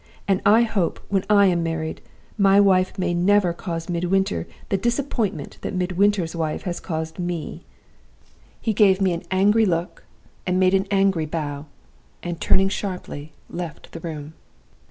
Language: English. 'And I hope, when I am married, my wife may never cause Midwinter the disappointment that Midwinter's wife has caused me!' "He gave me an angry look, and made me an angry bow, and, turning sharply, left the room.